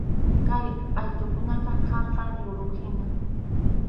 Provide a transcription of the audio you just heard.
Kay qʼaytukunam karqan liwruhina.